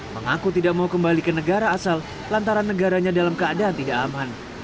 mengaku tidak mau kembali ke negara asal lantaran negaranya dalam keadaan tidak aman